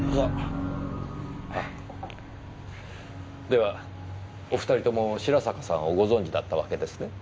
ではお２人とも白坂さんをご存じだったわけですね？